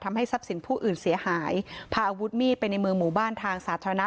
ทำให้ทรัพย์สินผู้อื่นเสียหายพาอาวุธมีดไปในเมืองหมู่บ้านทางสาธารณะ